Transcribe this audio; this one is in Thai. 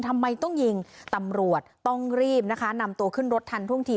ทำไมต้องยิงตำรวจต้องรีบนะคะนำตัวขึ้นรถทันท่วงที